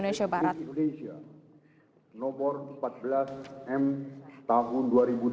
nomor empat belas m tahun dua ribu delapan belas